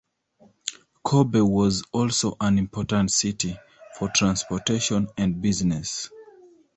Kobe was also an important city for transportation and business.